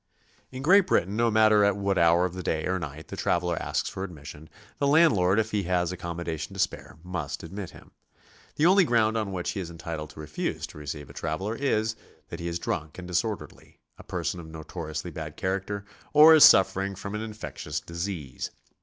In Great Britain, no matter at what hour of the day or night the traveler asks for admission, the landlord, if he has accommodation to spare, must admit him. The onlly ground on which he is entitled to refuse to receive a traveler is, that he is drunk and disorderly, a person of notoriously bad char acter, or is suffering from an infectious disease.